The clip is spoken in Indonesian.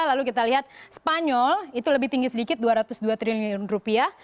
lalu kita lihat spanyol itu lebih tinggi sedikit dua ratus dua triliun rupiah